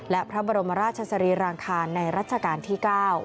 และพระบรมราชสรีรางคารในรัชกาลที่๙